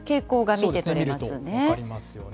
見ると分かりますよね。